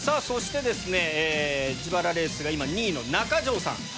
そしてですね自腹レースが今２位の中条さん。